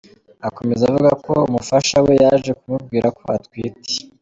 Akomeza avuga ko umufasha we yaje kumubwira ko atwite.